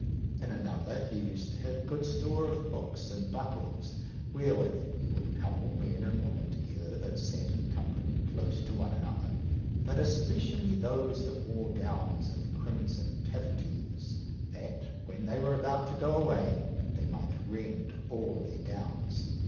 In another, he used to have good store of hooks and buckles, wherewith he would couple men and women together that sat in company close to one another, but especially those that wore gowns of crimson taffeties, that, when they were about to go away, they might rend all their gowns.